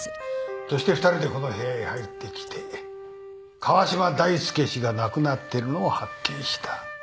そして２人でこの部屋へ入ってきて川嶋大介氏が亡くなってるのを発見した。